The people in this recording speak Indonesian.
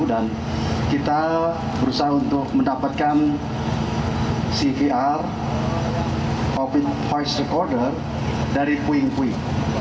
dan kita berusaha untuk mendapatkan cvr open voice recorder dari puing puing